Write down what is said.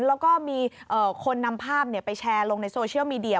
แล้วก็มีคนนำภาพไปแชร์ลงในโซเชียลมีเดีย